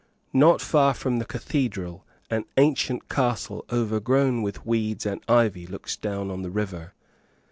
Not far from the cathedral, an ancient castle overgrown with weeds and ivy looks down on the river.